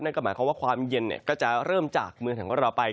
นั่นก็หมายความว่าความเย็นก็จะเริ่มจากเมืองของเราไป